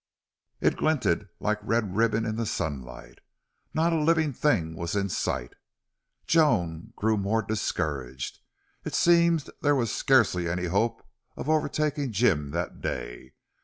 It glinted like red ribbon in the sunlight. Not a living thing was in sight. Joan grew more discouraged. It seemed there was scarcely any hope of overtaking Jim that day.